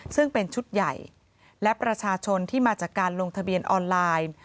ซึ่งเป็นชุดใหญ่และประชาชนที่มาจากการลงทะเบียนออนไลน์